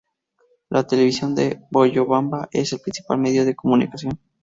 La televisión en Moyobamba es el principal medio de comunicación.